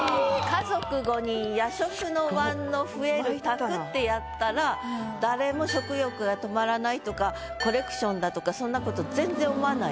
「家族五人夜食の椀の増える卓」ってやったら誰も食欲が止まらないとかコレクションだとかそんなことそうですね。